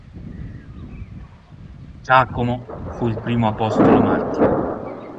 Giacomo fu il primo apostolo martire.